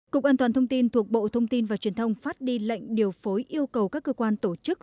cục an toàn thông tin thuộc bộ thông tin và truyền thông phát đi lệnh điều phối yêu cầu các cơ quan tổ chức